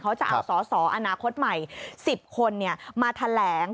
เขาจะเอาสอสออนาคตใหม่๑๐คนมาแถลง